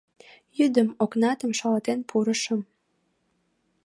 Йӱдым окнатым шалатен пурышым.